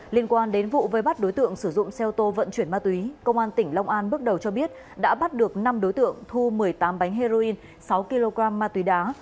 liên quan đến vụ vây bắt đối tượng sử dụng xe ô tô vận chuyển ma túy công an tỉnh long an bước đầu cho biết đã bắt được năm đối tượng thu một mươi tám bánh heroin sáu kg ma túy đá